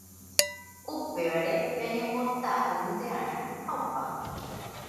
upévare ñañembotavýnte'arã ha opáma